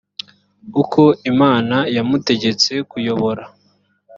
uko imana yamutegetse kuyobora